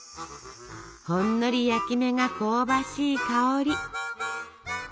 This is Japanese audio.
ほんのり焼き目が香ばしい香り。